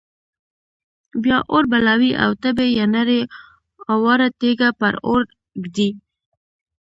بیا اور بلوي او تبۍ یا نرۍ اواره تیږه پر اور ږدي.